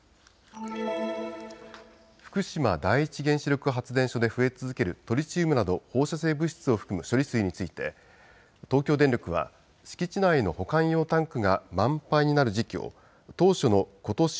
福島第一原子力発電所で増え続けるトリチウムなど放射性物質を含む処理水について東京電力は敷地内の保管用タンクが満杯になる時期を当初のことし